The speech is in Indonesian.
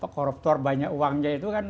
koruptor banyak uangnya itu kan